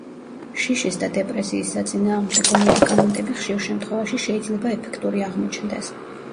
შიშის და დეპრესიის საწინააღმდეგო მედიკამენტები ხშირ შემთხვევაში შეიძლება ეფექტური აღმოჩნდეს.